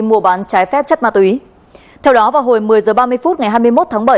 mua bán trái phép chất ma túy theo đó vào hồi một mươi h ba mươi phút ngày hai mươi một tháng bảy